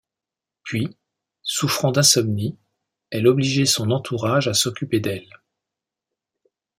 Puis, souffrant d'insomnies, elle obligeait son entourage à s'occuper d'elle.